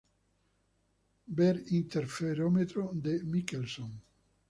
Ver interferómetro de Michelson.